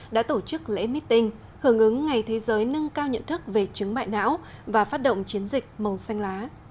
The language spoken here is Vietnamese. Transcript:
đã tổ chức lễ meeting hưởng ứng ngày thế giới nâng cao nhận thức về chứng bại não và phát động chiến dịch màu xanh lá